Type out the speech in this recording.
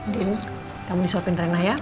din kamu suapin rena ya